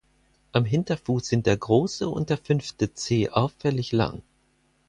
Am Hinterfuß sind der große und der fünfte Zeh auffällig lang.